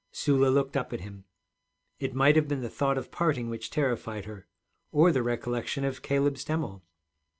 Sula looked up at him. It might have been the thought of parting which terrified her, or the recollection of Caleb Stemmel.